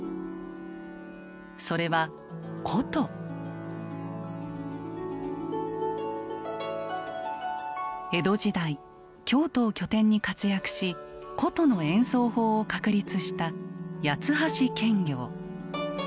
それは江戸時代京都を拠点に活躍し箏の演奏法を確立した八橋検校。